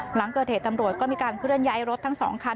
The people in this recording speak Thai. หลังเกิดเหตุตำรวจก็มีการเคลื่อนย้ายรถทั้ง๒คัน